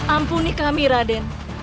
ampuni kami raden